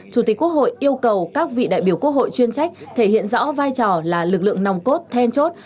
chủ tịch quốc hội yêu cầu các vị đại biểu quốc hội chuyên trách thể hiện rõ vai trò là lực lượng nòng cốt then chốt